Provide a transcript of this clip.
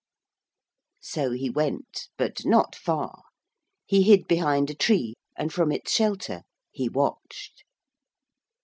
So he went, but not far. He hid behind a tree, and from its shelter he watched.